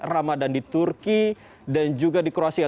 ramadhan di turki dan juga di kruasia